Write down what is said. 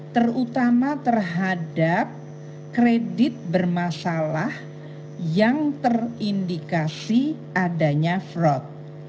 terutama terhadap kredit bermasalah yang terindikasi adanya fraud